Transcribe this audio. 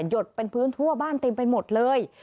ดเป็นพื้นทั่วบ้านเต็มไปหมดเลย